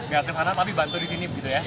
gak kesana tapi bantu disini gitu ya